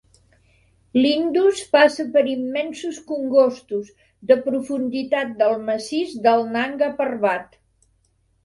L'Indus passa per immensos congostos (...) de profunditat del massís del Nanga Parbat.